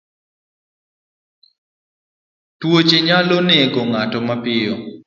Tuoche nyalo nego ng'ato mapiyo.